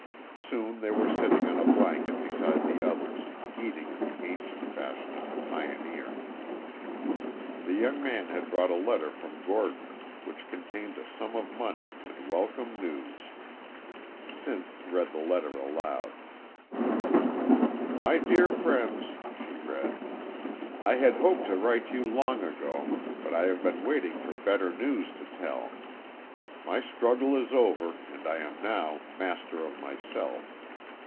Soon they were sitting on a blanket beside the others, eating in the ancient fashion of the pioneer. The young man had brought a letter from Gordon which contained a sum of money and welcome news. Sinth read the letter aloud. "'My dear friends,'" she read, "'I had hoped to write you long ago, but I have been waiting for better news to tell. My struggle is over and I am now master of myself.